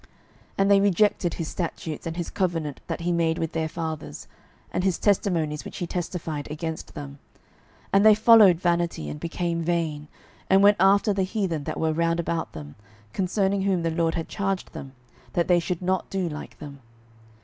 12:017:015 And they rejected his statutes, and his covenant that he made with their fathers, and his testimonies which he testified against them; and they followed vanity, and became vain, and went after the heathen that were round about them, concerning whom the LORD had charged them, that they should not do like them.